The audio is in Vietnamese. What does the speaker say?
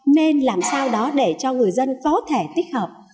nên làm sao đó để cho người dân có thể tích hợp